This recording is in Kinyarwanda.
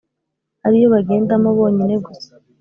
ariyo bagendamo bonyine gusa